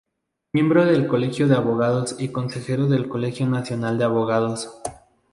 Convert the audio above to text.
Miembro del Colegio de Abogados y Consejero del Colegio Nacional de Abogados.